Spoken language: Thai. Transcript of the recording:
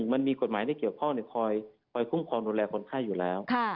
มันมีกฎหมายที่เกี่ยวข้องคอยคุ้มครองดูแลคนไข้อยู่แล้ว